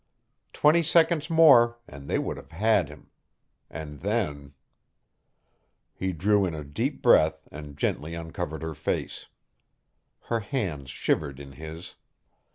Twenty seconds more and they would have had him. And then He drew in a deep breath and gently uncovered her face. Her hands shivered in his.